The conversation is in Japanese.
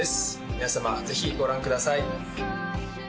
皆様ぜひご覧ください。